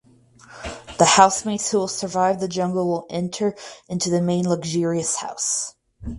The housemates who will survive the jungle will enter into the main luxurious house.